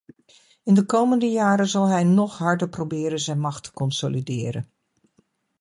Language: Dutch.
In de komende jaren zal hij nog harder proberen zijn macht te consolideren.